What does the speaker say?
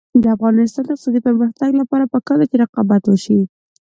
د افغانستان د اقتصادي پرمختګ لپاره پکار ده چې رقابت وشي.